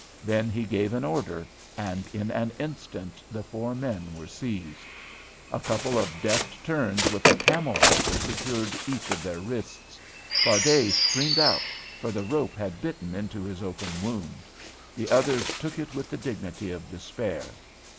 Then he gave an order, and in an instant the four men were seized. A couple of deft turns with a camel halter secured each of their wrists. Fardet screamed out, for the rope had bitten into his open wound. The others took it with the dignity of despair.